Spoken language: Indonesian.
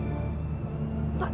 saya akan pergi